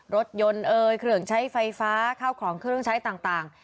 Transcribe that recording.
รถยนต์เอ่ยเครื่องใช้ไฟฟ้าเครื่องใช้ข้าวของต่าง